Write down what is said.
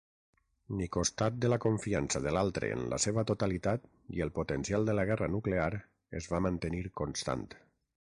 Ni costat de la confiança de l'altre en la seva totalitat i el potencial de la guerra nuclear es va mantenir constant.